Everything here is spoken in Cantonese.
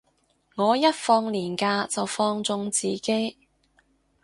我一放連假就放縱自己